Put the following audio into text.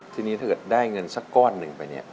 ทีนี้ถ้าเกิดได้เงินสักก้อนหนึ่งไปเนี่ย